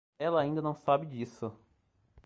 Ela ainda não sabe disso.